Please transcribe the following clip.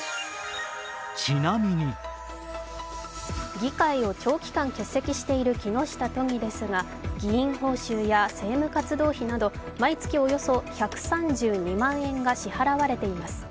議会を長期間欠席している木下都議ですが議員報酬や政務活動費など毎月およそ１３２万円が支払われています。